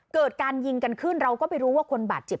เกิดการยิงกันขึ้นเราก็ไปรู้ว่าคนบาดเจ็บ